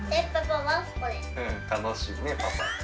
うん「たのしい」ねパパ。